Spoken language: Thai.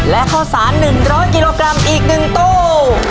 และข้าวสาร๑๐๐กิโลกรัมอีก๑ตู้